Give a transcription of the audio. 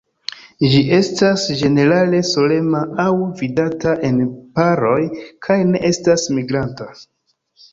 Ĝi estas ĝenerale solema aŭ vidata en paroj kaj ne estas migranta.